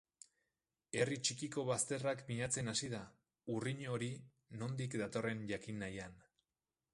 Herri txikiko bazterrak miatzen hasi da, urrin hori nondik datorren jakin nahian.